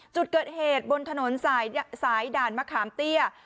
จุดเกิดเหตุบนถนนสายด่านมะขามเตี้ย